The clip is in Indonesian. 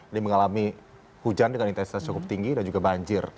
ini mengalami hujan dengan intensitas cukup tinggi dan juga banjir